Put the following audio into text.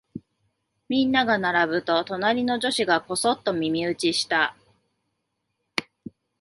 みんなが並ぶと、隣の女子がこそっと耳打ちした。